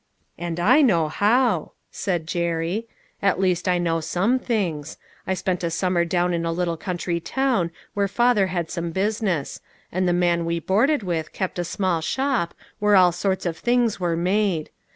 " And I know how," said Jerry. " At least, I know some things. I spent a summer down in alittle country town where father had some busi ness ; and the man we boarded with kept a small shop, where all sorts of things were made.